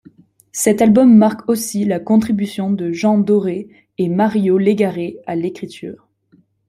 Cet album marque aussi la contribution de Jean Dorais et Mario Légaré à l'écriture.